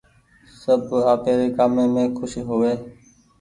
سب آپيري ڪآمي مين کوش هووي۔